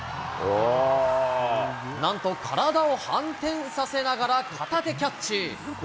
なんと、体を反転させながら片手キャッチ。